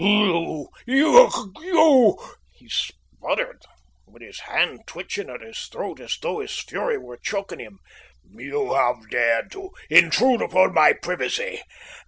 "You you " he spluttered, with his hand twitching at his throat, as though his fury were choking him. "You have dared to intrude upon my privacy!